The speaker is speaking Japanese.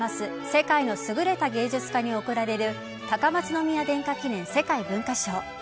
世界の優れた芸術家に贈られる高松宮殿下記念世界文化賞。